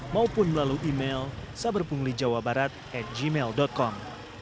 maupun melalui email saberpunglijawabarat gmail com